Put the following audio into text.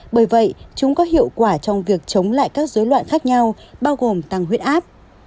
bởi vậy chúng có hiệu quả trong việc chống lại các dối loạn khác nhau bao gồm tăng huyết áp